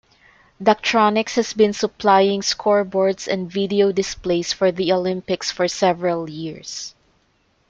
Daktronics has been supplying scoreboards and video displays for the Olympics for several years.